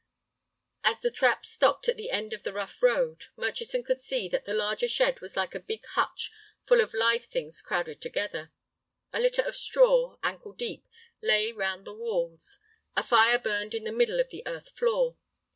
As the trap stopped at the end of the rough road, Murchison could see that the larger shed was like a big hutch full of live things crowded together. A litter of straw, ankle deep, lay round the walls. A fire burned in the middle of the earth floor.